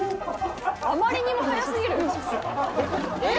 あまりにも速すぎる！えっ！？